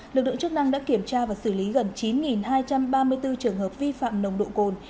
lực lượng chức năng đã kiểm tra và xử lý gần chín hai trăm ba mươi bốn trường hợp vi phạm nồng độ cồn